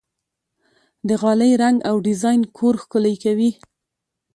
د غالۍ رنګ او ډیزاین کور ښکلی کوي.